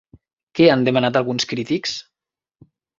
Què han demanat alguns crítics?